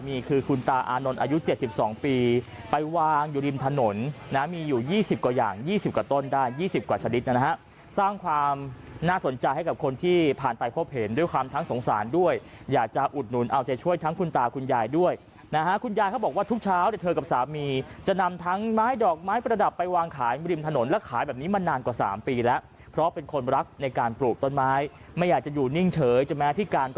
มีอยู่๒๐กว่าอย่าง๒๐กว่าต้นได้๒๐กว่าชนิดนะฮะสร้างความน่าสนใจให้กับคนที่ผ่านไปพบเห็นด้วยความทั้งสงสารด้วยอยากจะอุดหนุนเอาเศรษฐ์ช่วยทั้งคุณตาคุณยายด้วยนะฮะคุณยายเขาบอกว่าทุกเช้าเธอกับสามีจะนำทั้งไม้ดอกไม้ประดับไปวางขายบริมถนนและขายแบบนี้มานานกว่า๓ปีแล้วเพราะเป็นคนรักในการปลูก